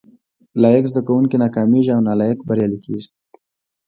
لایق زده کوونکي ناکامیږي او نالایق بریالي کیږي